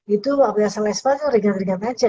itu biasanya lesbos ringan ringan aja